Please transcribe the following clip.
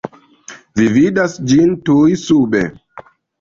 Vi vidas ĝin tuj sube.